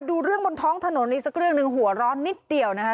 ดูเรื่องบนท้องถนนอีกสักเรื่องหนึ่งหัวร้อนนิดเดียวนะคะ